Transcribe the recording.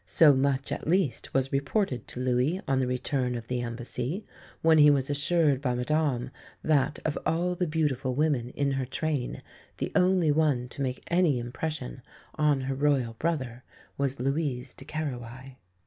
So much at least was reported to Louis on the return of the embassy, when he was assured by Madame that, of all the beautiful women in her train, the only one to make any impression on her Royal brother was Louise de Querouaille.